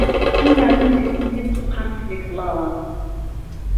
دوو نارنجی سنگت دوو قامک لێک بڵاوه